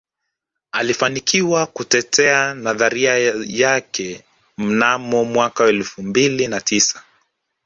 Alifanikiwa kutetea nadharia yake mnamo mwaka elfu mbili na tisa